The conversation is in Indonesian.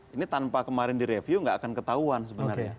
ini tanpa kemarin direview nggak akan ketahuan sebenarnya